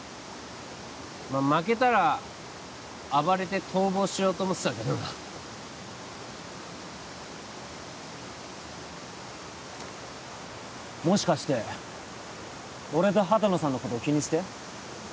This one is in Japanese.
負けたら暴れて逃亡しようと思ってたけどなもしかして俺と畑野さんのこと気にして？